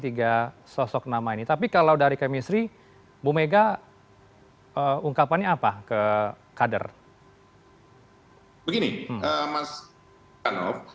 tiga sosok nama ini tapi kalau dari kemistri bu mega ungkapannya apa ke kader begini mas